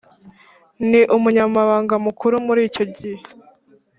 Ni Umunyamabanga Mukuru Muri icyo gihe